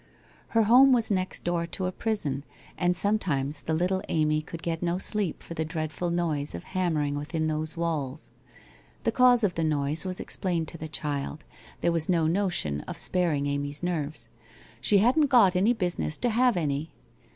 Her home was next door to a prison, and sometimes the little Amy could get no sleep for the dreadful noise of ham mering within those walls. The cause of the noise was explained to the child, there was no notion of sparing Amy's nerves, ' she hadn't got any business to have any.'